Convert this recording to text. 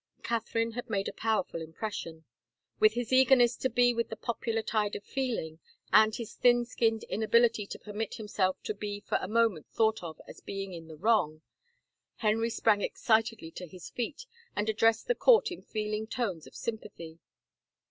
Catherine had made a powerful impression. With his eagerness to be with the popular tide of feeling, and his thin skinned inability to permit himself to be for a moment thought of as being in the wrong, Henry sprang excitedly to his feet, and addressed the court in feeling tones of sympathy.